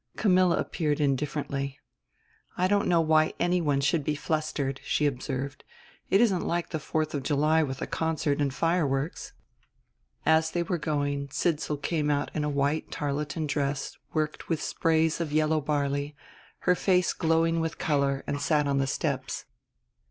Camilla appeared indifferently. "I don't know why anyone should be flustered," she observed; "it isn't like the Fourth of July with a concert and fireworks." As they were going, Sidsall came out in a white tarlatan dress worked with sprays of yellow barley, her face glowing with color, and sat on the steps.